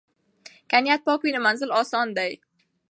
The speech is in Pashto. که نیت پاک وي نو منزل اسانه دی.